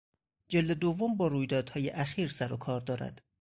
جلد دوم با رویدادهای اخیر سر و کار دارد.